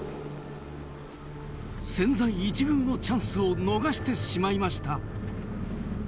千載一遇のチャンスを逃してしまいました。